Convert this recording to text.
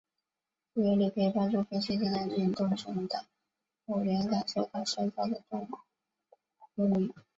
这原理可以帮助分析正在运动中的某连杆所感受到的作用力。